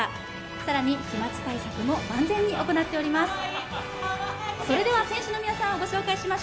更に飛まつ対策も万全に行っております。